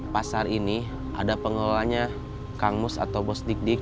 pasar ini ada pengelolanya kang mus atau bos dik dik